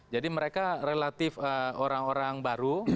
jadi mereka relatif orang orang baru